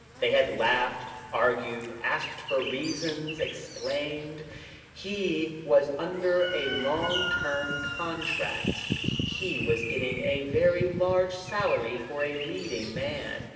They had laughed, argued, asked for reasons, explained. He was under a long term contract. He was getting a very large salary for a leading man.